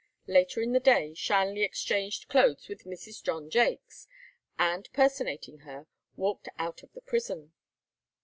Later in the day Shanley exchanged clothes with Mrs. John Jaques, and, personating her, walked out of the prison.